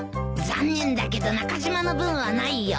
残念だけど中島の分はないよ。